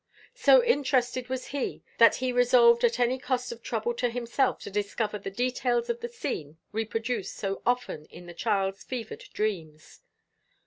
So interested was he that he resolved at any cost of trouble to himself to discover the details of the scene reproduced so often in the child's fevered dreams.